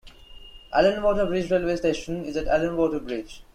Allanwater Bridge railway station is at Allanwater Bridge.